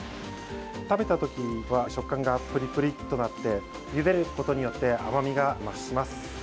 食べた時は食感がプリプリとなってゆでることによって甘みが増します。